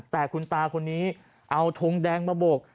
แต่คุณตาคนนี้เอาทงแดงมาโบก